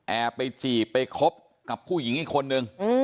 ไปจีบไปคบกับผู้หญิงอีกคนนึง